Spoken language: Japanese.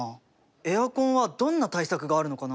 エアコンはどんな対策があるのかな？